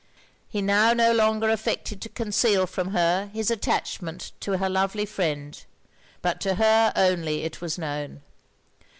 He now no longer affected to conceal from her his attachment to her lovely friend; but to her only it was known.